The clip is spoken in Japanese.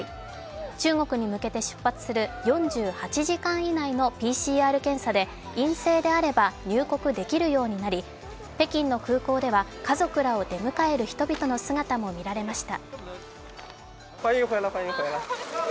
中国に向けて出発する４８時間以内のＰＣＲ検査で陰性であれば入国できるようになり、北京の空港では家族らを出迎える人々の姿も見られました。